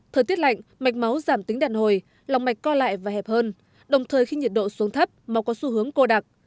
thời tiết lạnh mạch máu giảm tính đàn hồi lòng mạch co lại và hẹp hơn đồng thời khi nhiệt độ xuống thấp máu có xu hướng cô đặc